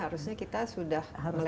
harusnya kita sudah melewati ya